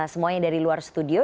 semuanya dari luar studio